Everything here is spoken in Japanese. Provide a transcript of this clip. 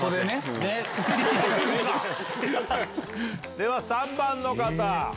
では３番の方。